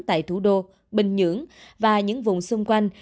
tại thủ đô bình nhưỡng và những vùng xung quanh